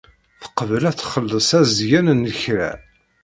Teqbel ad txelleṣ azgen n lekra.